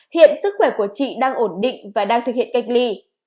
hiện sức khỏe của chị đang ổn định và đang thực hiện cách ly